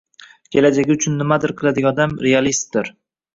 Kelajagi uchun nimadir qiladigan odam realistdir